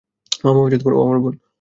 মামা ও আমার বোন।